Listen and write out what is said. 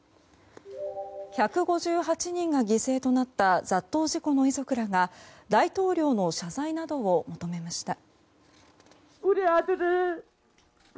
１５８人が犠牲となった雑踏事故の遺族らが大統領の謝罪などを認めました。